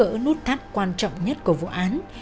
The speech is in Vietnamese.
hà giá viễn cũng gỡ nút thắt quan trọng nhất của vụ án